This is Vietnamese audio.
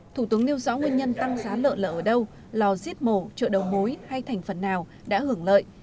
thủ tướng nêu rõ nguyên nhân tăng giá lợn là ở đâu lò giết mổ chợ đầu mối hay thành phần nào đã hưởng lợi